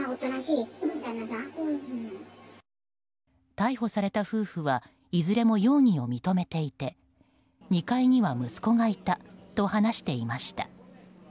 逮捕された夫婦はいずれも容疑を認めていて２階には息子がいたと話していました。